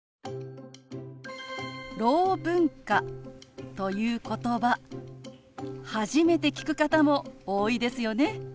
「ろう文化」ということば初めて聞く方も多いですよね。